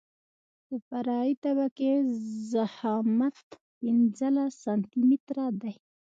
د فرعي طبقې ضخامت پنځلس سانتي متره دی